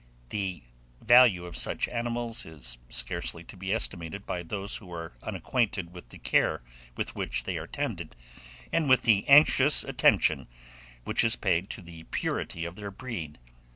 The value of such animals is scarcely to be estimated by those who are unacquainted with the care with which they are tended, and with the anxious attention which is paid to the purity of their breed.